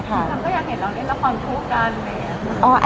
คุณค่ะมันก็อยากเห็นเราเล่นละครพูดกัน